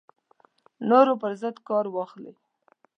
نورو پر ضد کار واخلي